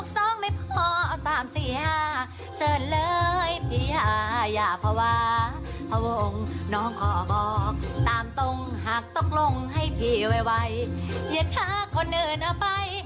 จักห์ทุกลงให้พี่ไว้อย่าท้าคนอื่นนาไป